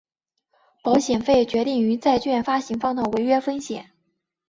保险费决定于债券发行方的违约风险。